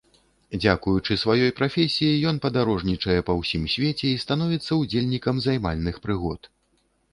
Дзякуючы сваёй прафесіі ён падарожнічае па ўсім свеце і становіцца ўдзельнікам займальных прыгод.